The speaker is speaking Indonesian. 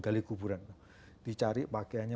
gali kuburan dicari pakaiannya